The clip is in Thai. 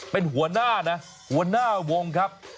เป็นหัวหน้านะหัวหน้าวงครับ